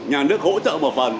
nhà nước hỗ trợ một phần